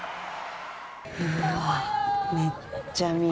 うわめっちゃ雅。